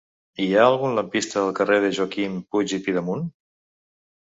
Hi ha algun lampista al carrer de Joaquim Puig i Pidemunt?